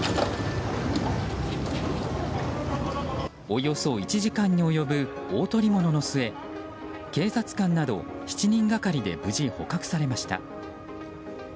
およそ１時間後に及ぶ大捕物の末警察官など７人がかりで無事、捕獲されました。